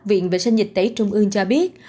viện vệ sinh dịch tẩy trung ương cho biết